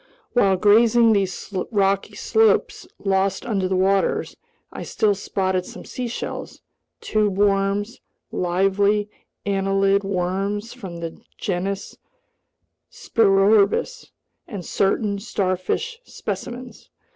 While grazing these rocky slopes lost under the waters, I still spotted some seashells, tube worms, lively annelid worms from the genus Spirorbis, and certain starfish specimens.